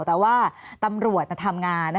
แต่ว่าตำรวจทำงาน